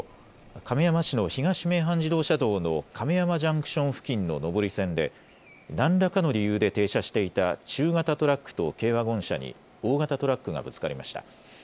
亀山市の東名阪自動車道の亀山ジャンクション付近の上り線で何らかの理由で停車していた中型トラックと軽ワゴン車に大型トラックがぶつかりました。